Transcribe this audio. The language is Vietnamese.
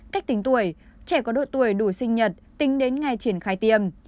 cách tính tuổi trẻ có độ tuổi đủ sinh nhật tính đến ngày triển khai tiêm